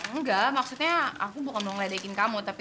enggak maksudnya aku bukan mau ngeledekin kamu tapi